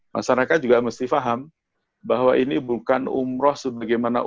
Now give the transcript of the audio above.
masyarakat juga mesti paham bahwa ini bukan umroh sebagaimana um